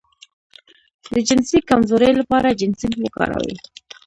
د جنسي کمزوری لپاره جنسینګ وکاروئ